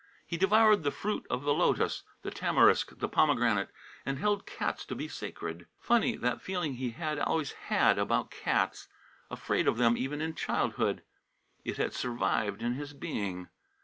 He devoured the fruit of the lotus, the tamarisk, the pomegranate, and held cats to be sacred. (Funny, that feeling he had always had about cats afraid of them even in childhood it had survived in his being!)